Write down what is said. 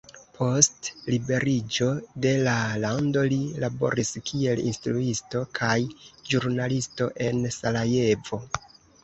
Post liberiĝo de la lando li laboris kiel instruisto kaj ĵurnalisto en Sarajevo.